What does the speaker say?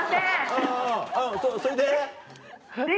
それで？